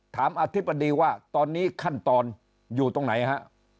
อธิบดีว่าตอนนี้ขั้นตอนอยู่ตรงไหนฮะ